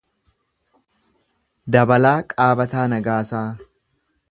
Dabalaa Qaabataa Nagaasaa